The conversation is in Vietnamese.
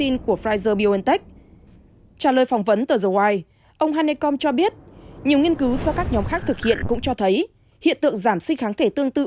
nhiều nghiên cứu do các nhóm khác thực hiện cũng cho thấy hiện tượng giảm sinh kháng thể tương tự